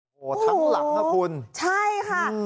โอ้โหทั้งหลังนะคุณใช่ค่ะ